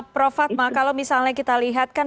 profatma kalau misalnya kita lihatkan